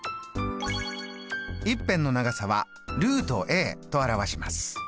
１辺の長さはと表します。